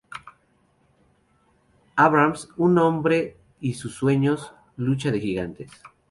Abrams, un hombre y sus sueños", "Lucha de gigantes.